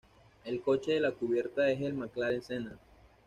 El coche de la cubierta es el McLaren Senna.